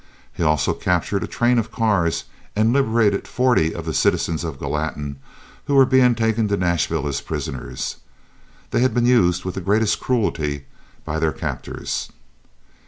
He also captured a train of cars and liberated forty of the citizens of Gallatin who were being taken to Nashville as prisoners. They had been used with the greatest cruelty by their captors.